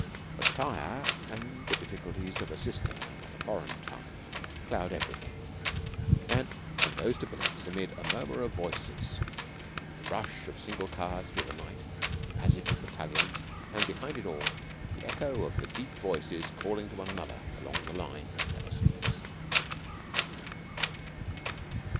But tire and the difficulties of a sister (not a foreign) tongue cloud everything, and one goes to billets amid a murmur of voices, the rush of single cars through the night, the passage of battalions, and behind it all, the echo of the deep voices calling one to the other, along the line that never sleeps.